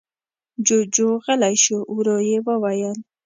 جُوجُو غلی شو. ورو يې وويل: